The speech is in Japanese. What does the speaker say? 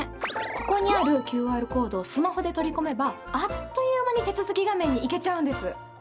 ここにあるＱＲコードをスマホで取り込めばあっという間に手続き画面に行けちゃうんです。